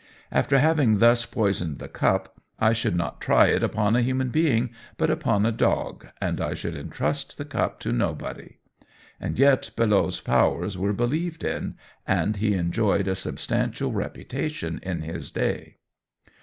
After having thus poisoned the cup, I should not try it upon a human being, but upon a dog, and I should entrust the cup to nobody." And yet Belot's powers were believed in, and he enjoyed a substantial reputation in his day.